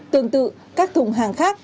tương tự các thùng hàng khác